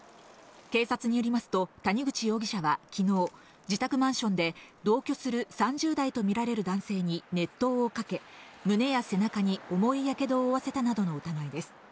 警察によりますと、谷口容疑者は昨日、自宅マンションで同居する３０代とみられる男性に熱湯をかけ、胸や背中に重いやけどを負わせたなどの疑いです。